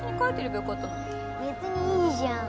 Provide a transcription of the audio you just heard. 別にいいじゃん。